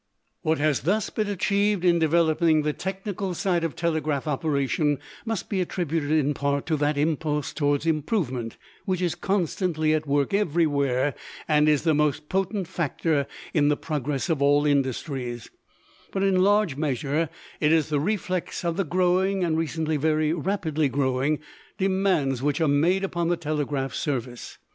What has thus been achieved in developing the technical side of telegraph operation must be attributed in part to that impulse toward improvement which is constantly at work everywhere and is the most potent factor in the progress of all industries, but in large measure it is the reflex of the growing and recently very rapidly growing demands which are made upon the telegraph service.